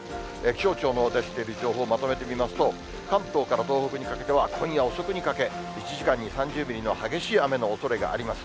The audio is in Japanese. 気象庁の出している情報をまとめてみますと、関東から東北にかけては、今夜遅くにかけ、１時間に３０ミリの激しい雨のおそれがあります。